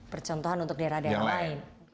percontohan untuk daerah daerah lain